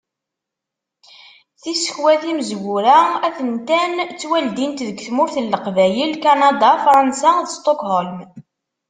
Tisekwa timezwura a-tent-an ttwaldint deg tmurt n Leqbayel, Kanada, Fransa d Sṭukhulm.